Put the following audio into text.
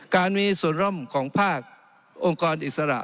การมีส่วนร่มของภาคองค์กรอิสระ